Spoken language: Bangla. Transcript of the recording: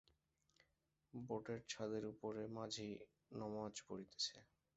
বোটের ছাদের উপরে মাঝি নমাজ পড়িতেছে।